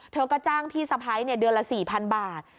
เธอก็จ้างพี่สะพ้ายเดือนละ๔๐๐๐บาท